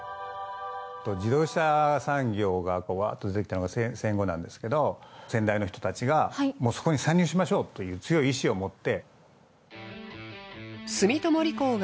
自動車産業がワッと出てきたのが戦後なんですけど先代の人たちがもうそこに参入しましょうという強い意志を持って。